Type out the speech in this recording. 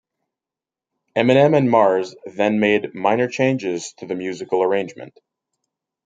Eminem and Mars then made minor changes to the musical arrangement.